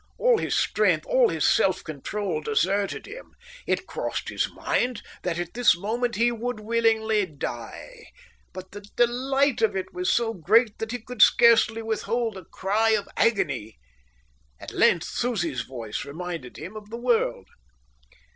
All his strength, all his self control, deserted him. It crossed his mind that at this moment he would willingly die. But the delight of it was so great that he could scarcely withhold a cry of agony. At length Susie's voice reminded him of the world.